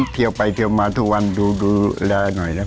เที่ยวไปเที่ยวมาทุกวันดูแลหน่อยนะครับ